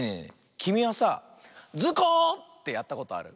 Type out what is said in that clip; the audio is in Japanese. きみはさあ「ズコ！」ってやったことある？